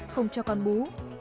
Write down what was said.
không cho con bú